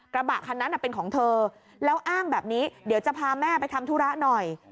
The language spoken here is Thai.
กระบะคันนั้นเป็นของเธอแล้วอ้างแบบนี้เดี๋ยวจะพาแม่ไปทำธุระหน่อย